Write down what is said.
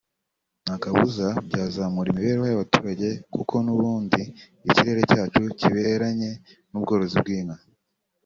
nta kabuza byazamura imibereho y’abaturage kuko n’ubundi ikirere cyacu kiberanye n’ubworozi bw’inka